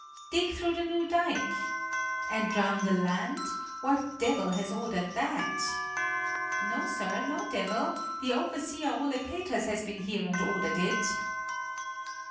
"Dig through the new dike." "And drown the land? What devil has ordered that?" "No, sir, no devil, the overseer Ole Peters has been here and ordered it."